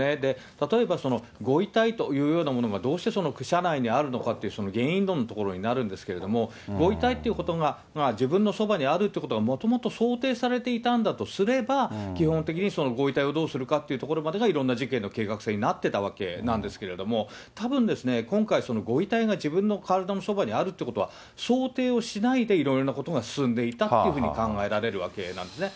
例えば、ご遺体というようなものがどうして車内にあるのかという原因論のところになるんですけども、ご遺体っていうことが自分のそばにあるということが、もともと想定されていたんだとすれば、基本的にご遺体をどうするかというところまでがいろんな事件の計画性になってたわけなんですけども、たぶんですね、今回、ご遺体が自分の体のそばにあるということは、想定をしないでいろいろなことが進んでいたということが考えられるわけなんですね。